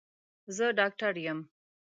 زه ډاکټر یم